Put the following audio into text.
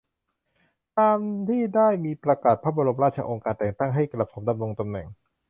ตามที่ได้มีประกาศพระบรมราชโองการแต่งตั้งให้กระผมดำรงตำแหน่ง